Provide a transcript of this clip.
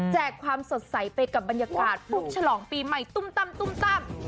ความสดใสไปกับบรรยากาศปุ๊บฉลองปีใหม่ตุ้มตั้มตุ้มตั้ม